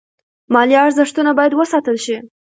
مالي ارزښتونه باید وساتل شي.